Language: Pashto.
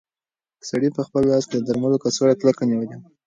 سړي په خپل لاس کې د درملو کڅوړه کلکه نیولې وه.